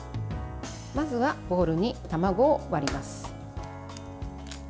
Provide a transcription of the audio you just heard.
まずはボウルに卵を割ります。